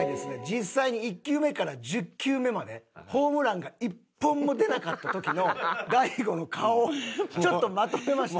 実際に１球目から１０球目までホームランが１本も出なかった時の大悟の顔ちょっとまとめました。